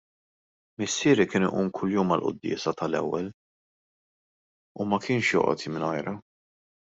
Missieri kien iqum kuljum għall-quddiesa tal-ewwel u ma kienx joqgħod mingħajrha.